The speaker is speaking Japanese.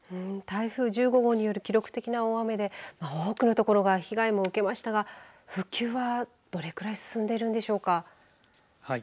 台風１５号による記録的な大雨で多くの所が被害も受けましたが復旧はどれくらい進んでいるんでしょうか。